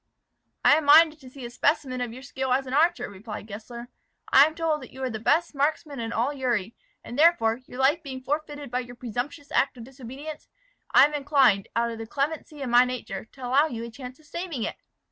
"I am minded to see a specimen of your skill as an archer," replied Gessler. "I am told that you are the best marksman in all Uri; and, therefore, your life being forfeited by your presumptuous act of disobedience, I am inclined, out of the clemency of my nature, to allow you a chance of saving it.